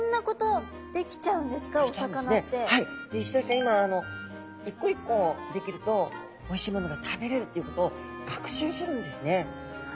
今一個一個できるとおいしいものが食べれるっていうことを学習するんですね。